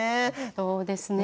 そうですね。